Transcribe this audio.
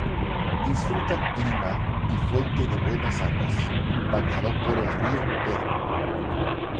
Disfruta clima y fuente de buenas aguas, bañado por el río Pedro.